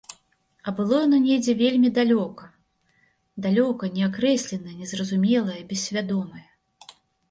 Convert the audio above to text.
А было яно недзе вельмі далёка, далёка, неакрэсленае, незразумелае, бессвядомае.